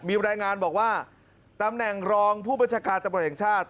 มีรายงานบอกว่าตำแหน่งรองผู้บัญชาการตำรวจแห่งชาติ